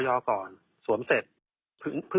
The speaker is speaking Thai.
ฉันก็ไม่มีความรู้